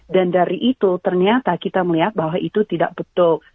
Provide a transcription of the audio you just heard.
dan dari itu ternyata kita melihat bahwa itu tidak betul